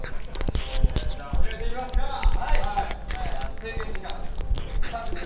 制限時間３０分。